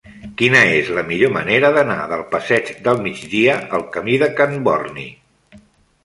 Quina és la millor manera d'anar del passeig del Migdia al camí de Can Borni?